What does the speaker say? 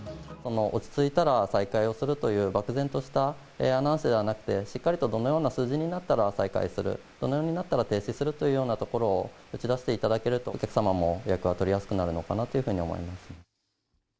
落ち着いたら再開するという漠然としたアナウンスではなくて、しっかりとどのような数字になったら再開する、どのようになったら停止するというようなところを打ち出していただけると、お客様も予約が取りやすくなるのかなというふうに思い